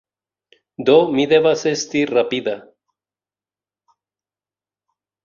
Do, mi devas esti rapida